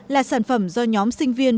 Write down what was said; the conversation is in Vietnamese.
là sản phẩm do nhóm sinh viên